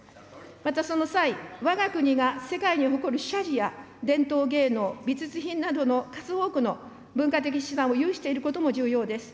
また、その際、わが国が世界に誇る社寺や伝統芸能、美術品などの数多くの文化的資産を有していることも重要です。